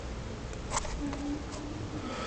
子李匡文。